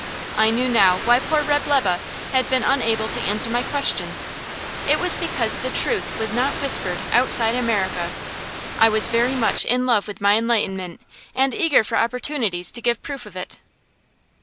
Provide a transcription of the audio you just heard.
I knew now why poor Reb' Lebe had been unable to answer my questions; it was because the truth was not whispered outside America. I was very much in love with my enlightenment, and eager for opportunities to give proof of it.